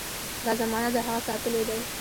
دا ضمانت د هغه ساتلو دی.